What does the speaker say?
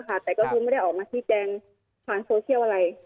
แต่ก็คือไม่ได้ออกมาชี้แจงผ่านโซเชียลอะไร